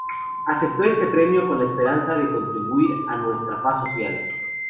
Acepto este premio con la esperanza de contribuir a nuestra paz social".